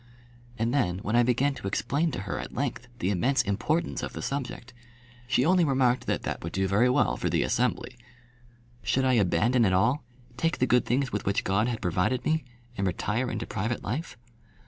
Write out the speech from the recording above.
And then, when I began to explain to her at length the immense importance of the subject, she only remarked that that would do very well for the Assembly. Should I abandon it all, take the good things with which God had provided me, and retire into private life?